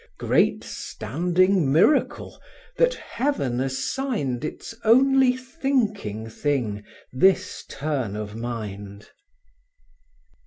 Great standing miracle! that Heaven assigned Its only thinking thing this turn of mind.